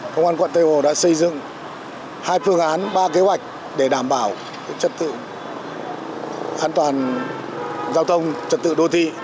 công an quận tây hồ đã xây dựng hai phương án ba kế hoạch để đảm bảo trật tự an toàn giao thông trật tự đô thị